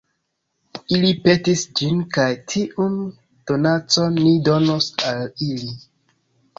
Ili petis ĝin kaj tiun donacon ni donos al ili.